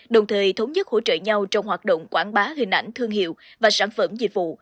đồng thời thống nhất hỗ trợ nhau trong hoạt động quảng bá hình ảnh thương hiệu và sản phẩm dịch vụ